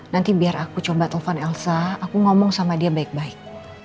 nanti biar aku coba taufan elsa aku ngomong sama dia baik baik